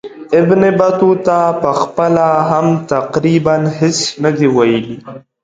ابن بطوطه پخپله هم تقریبا هیڅ نه دي ویلي.